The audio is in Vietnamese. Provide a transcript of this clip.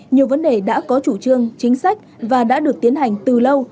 nhiều vấn đề đã có chủ trương chính sách và đã được tiến hành từ lâu